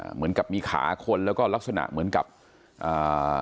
เหมือนกับมีขาคนแล้วก็ลักษณะเหมือนกับอ่า